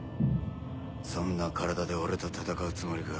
そんな体で俺と戦うつもりか。